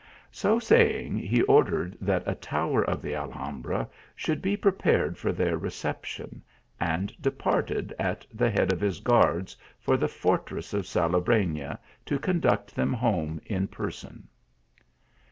" So saying, he ordered that a tower of the Alham bra should be prepared for their reception, and de parted at the head of his guards for the fortress of Salobreiia, to conduct them home in person.